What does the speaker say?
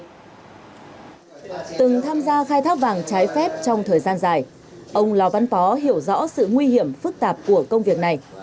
từng tham gia khai thác vàng trái phép trong thời gian dài ông lò văn pó hiểu rõ sự nguy hiểm phức tạp của công việc này